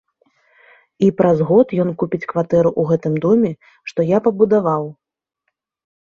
І праз год ён купіць кватэру ў гэтым доме, што я пабудаваў.